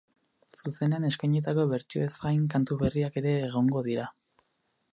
Zuzenean eskainitako bertsioez gain kantu berriak ere egongo dira.